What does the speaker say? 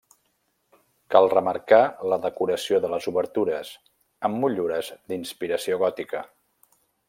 Cal remarcar la decoració de les obertures, amb motllures d'inspiració gòtica.